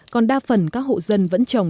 còn đa phần các hộ dân vẫn trồng